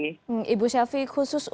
ibu shelfie khusus untuk